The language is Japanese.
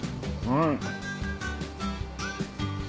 うん。